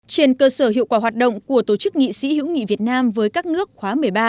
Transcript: trên cơ sở hiệu quả hoạt động của tổ chức nghị sĩ hữu nghị việt nam với các nước khóa một mươi ba